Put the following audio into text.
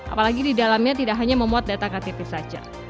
apalagi di dalamnya tidak hanya memuat data ktp saja